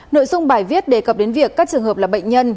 nội dung bài viết đề cập đến việc các trường hợp là bệnh nhân